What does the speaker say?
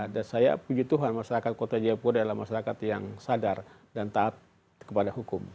dan saya puji tuhan masyarakat kota jayapura adalah masyarakat yang sadar dan taat kepada hukum